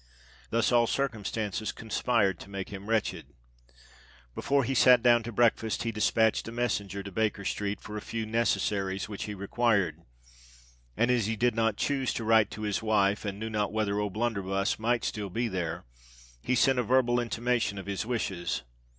Thus all circumstances conspired to make him wretched. Before he sate down to breakfast, he despatched a messenger to Baker Street for a few necessaries which he required; and, as he did not choose to write to his wife, and knew not whether O'Blunderbuss might still be there, he sent a verbal intimation of his wishes.